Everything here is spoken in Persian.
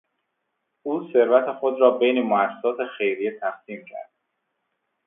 او ثروت خود را بین موسسات خیریه تقسیم کرد.